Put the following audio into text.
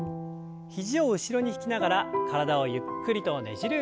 肘を後ろに引きながら体をゆっくりとねじる運動です。